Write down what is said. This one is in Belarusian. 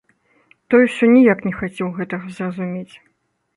Той усё ніяк не хацеў гэтага зразумець.